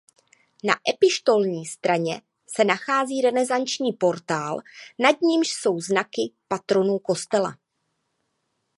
Na epištolní straně se nachází renesanční portál nad nímž jsou znaky patronů kostela.